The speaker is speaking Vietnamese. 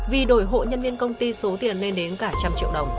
vì đổi hộ nhân viên công ty số tiền lên đến cả một trăm linh triệu đồng